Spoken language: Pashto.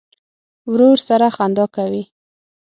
ورور سره خندا کوې.